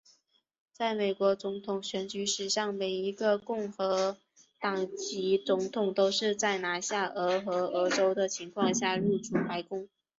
在美国总统选举史上每一名共和党籍总统都是在拿下俄亥俄州的情况下入主白宫。